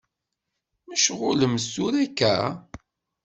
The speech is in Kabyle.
Mecɣulemt tura akka?